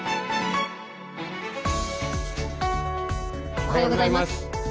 おはようございます。